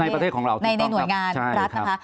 ในประเทศของเราถูกต้องครับในหน่วยงานรัฐนะคะ